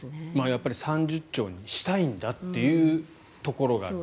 やっぱり３０兆にしたいんだっていうところがある。